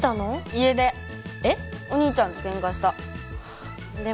家出お兄ちゃんとケンカしたえっ？